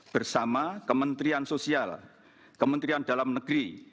bersama kementerian sosial kementerian dalam negeri